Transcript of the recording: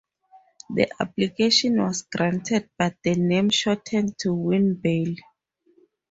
The application was granted, but the name shortened to Wimberley.